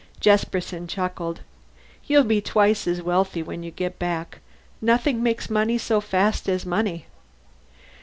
Jesperson chuckled. "You'll be twice as wealthy when you get back! Nothing makes money so fast as money."